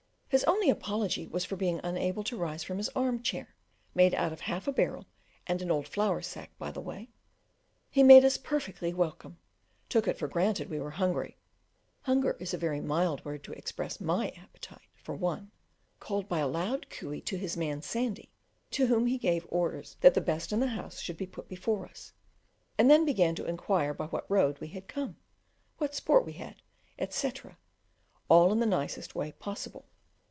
His only apology was for being unable to rise from his arm chair (made out of half a barrel and an old flour sack by the way); he made us perfectly welcome, took it for granted we were hungry hunger is a very mild word to express my appetite, for one called by a loud coo ee to his man Sandy, to whom he gave orders that the best in the house should be put before us, and then began to inquire by what road we had come, what sport we had, etc., all in the nicest way possible.